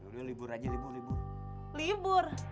dulu libur aja libur